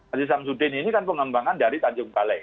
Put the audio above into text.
aziz samsudin ini kan pengembangan dari tanjung balai